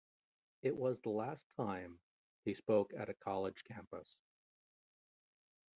It was the last time he spoke at a college campus.